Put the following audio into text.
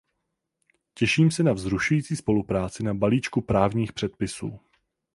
Těším se na vzrušující spolupráci na balíčku právních předpisů.